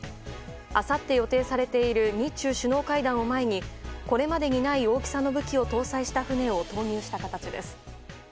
あさって予定されている日中首脳会談を前にこれまでにない大きさの武器を搭載した船を投入した形です。